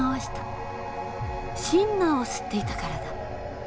シンナーを吸っていたからだ。